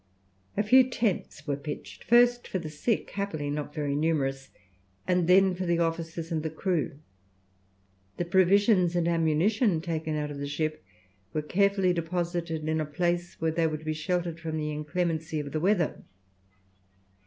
A few tents were pitched, first for the sick, happily not very numerous, and then for the officers and the crew. The provisions and ammunition taken out of the ship were carefully deposited in a place where they would be sheltered from the inclemency of the weather.